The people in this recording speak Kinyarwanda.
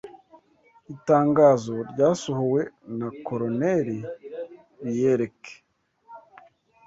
Itangazo ryasohowe na Coloneli Biyereke